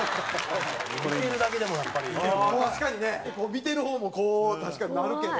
見てる方もこう確かになるけど。